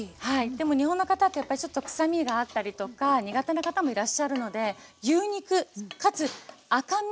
でも日本の方ってやっぱりちょっと臭みがあったりとか苦手な方もいらっしゃるので牛肉かつ赤身。